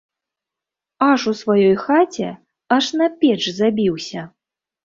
Аж у сваёй хаце, аж на печ забіўся!